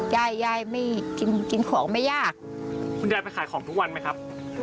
ยายยายไม่กินกินของไม่ยากคุณยายไปขายของทุกวันไหมครับ